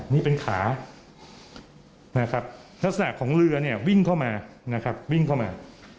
นี่เป็นขานะครับลักษณะของเรือเนี่ยวิ่งเข้ามานะครับวิ่งเข้ามา